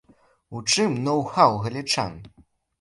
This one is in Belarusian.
У чым ноў-хаў галічан?